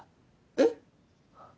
えっ？